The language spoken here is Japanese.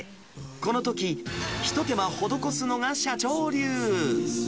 このとき、一手間施すのが社長流。